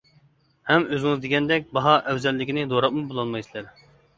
ھەم ئۆزىڭىز دېگەندەك، باھا ئەۋزەللىكىنى دوراپمۇ بولالمايسىلەر.